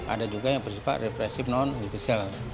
ada juga yang bersepat represif non justicial